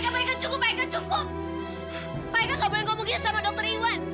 pak eka kamu tidak boleh berbicara dengan dokter iwan